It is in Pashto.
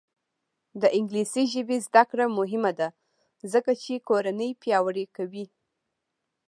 د انګلیسي ژبې زده کړه مهمه ده ځکه چې کورنۍ پیاوړې کوي.